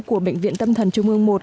của bệnh viện tâm thần chung ương một